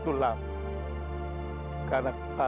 kita sudah berjumpa